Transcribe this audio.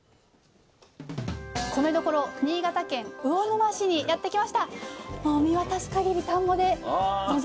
米どころ新潟県魚沼市にやって来ました。